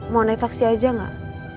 mau naik taksi aja nggak